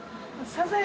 サザエ。